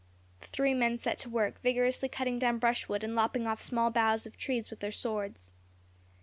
The three men set to work, vigorously cutting down brushwood and lopping off small boughs of trees with their swords.